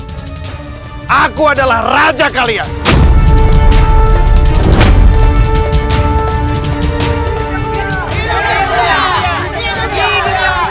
aku adalah raja kalian